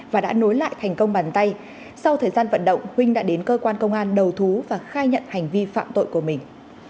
và đã nối lại thành công bàn tay sau thời gian vận động huynh đã đến cơ quan công an đầu thú và khai nhận hành vi phạm tội của mình